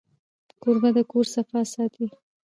کوربه د کور صفا ساتي.